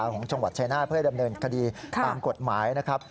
ของจังหวัดชายนาฏเพื่อให้ดำเนินคดีตามกฎหมายนะครับ